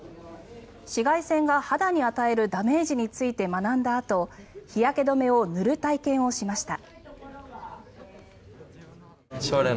紫外線が肌に与えるダメージについて学んだあと日焼け止めを塗る体験をしました。